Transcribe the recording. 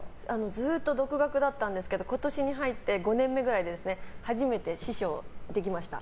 ずっと独学だったんですけど今年に入って５年目くらいで初めて師匠ができました。